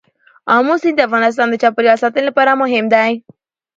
آمو سیند د افغانستان د چاپیریال ساتنې لپاره مهم دی.